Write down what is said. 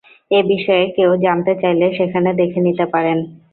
এ বিষয়ে কেউ জানতে চাইলে সেখানে দেখে নিতে পারেন।